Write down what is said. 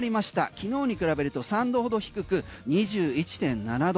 昨日に比べると３℃ほど低く２１．７℃。